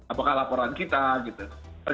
apakah laporan kita gitu